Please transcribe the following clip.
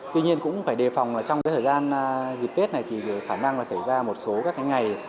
tuy nhiên cũng phải đề phòng là trong cái thời gian dịp tết này thì khả năng là xảy ra một số các cái ngày